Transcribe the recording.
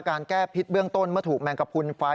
การแก้พิษเบื้องต้นเมื่อถูกแมงกระพุนไฟ